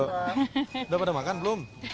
udah pada makan belum